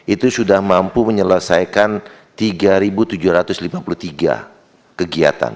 itu sudah mampu menyelesaikan tiga tujuh ratus lima puluh tiga kegiatan